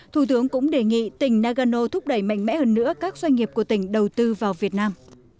thủ tướng cũng đề nghị tỉnh nagano thúc đẩy mạnh mẽ hơn nữa các doanh nghiệp của tỉnh đầu tư vào việt nam